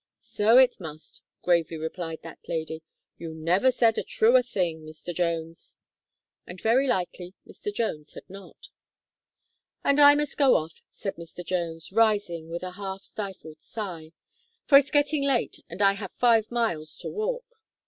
"So it must," gravely replied that lady. "You never said a truer thing, Mr. Jones." And very likely Mr. Jones had not. "And I must go off," said Mr. Jones, rising with a half stifled sigh, "for it's getting late, and I have five miles to walk."